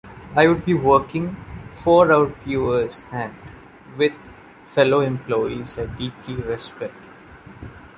I would be working "for our viewers", and "with" fellow employees I deeply respect.